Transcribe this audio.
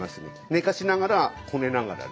寝かしながらこねながらね。